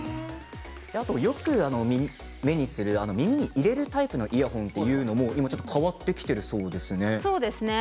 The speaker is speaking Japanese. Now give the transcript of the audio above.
よく目にする耳に入れるタイプのイヤホンというのも今変わってきているそうですね。